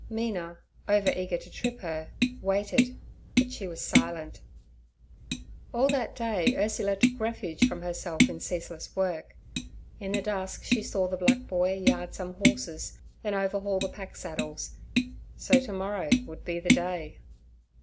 Mina, over eager to trip her, waited, but she was silent. All that day Ursula took refuge from herself in ceaseless work. In the dusk she saw the black boy yard some horses, then overhaul the pack saddles—so to morrow would be the day.